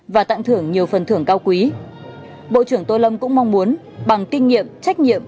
và tặng thưởng nhiều phần thưởng cao quý bộ trưởng tô lâm cũng mong muốn bằng kinh nghiệm trách nhiệm